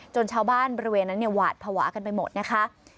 จนชาวบ้านบริเวณนั้นหวาดผวากันไปหมดนะคะ